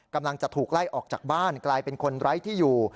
กำลังจะถูกไล่ออกจากบ้านกลายเป็นคนไร้ที่อยู่